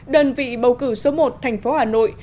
đơn vị bầu cử số một thành phố hà nội